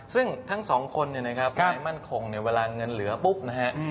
ซึ่งทั้งสองคนใบมั่นคงเวลาเงินเหลือปุ๊บนะครับ